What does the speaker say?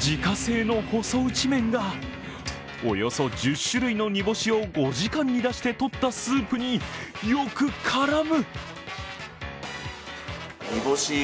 自家製の細打ち麺が、およそ１０種類の煮干しを５時間煮出してとったスープによく絡む。